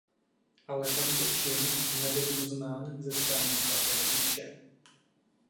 Ale tento čin nebyl uznán ze strany svaté říše.